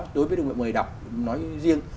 đối với người đọc nói riêng